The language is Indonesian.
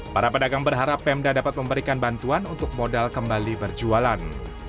para pedagang berharap pemda dapat memberikan bantuan untuk modal kembali berjualan